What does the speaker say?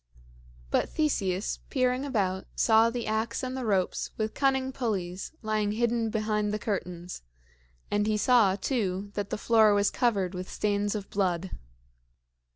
But Theseus, peering about, saw the ax and the ropes with cunning pulleys lying hidden behind the curtains; and he saw, too, that the floor was covered with stains of blood.